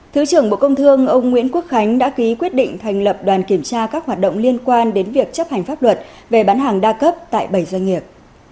thứ trưởng bộ công thương ông nguyễn quốc khánh đã ký quyết định thành lập đoàn kiểm tra các hoạt động liên quan đến việc chấp hành pháp luật về bán hàng đa cấp tại bảy doanh nghiệp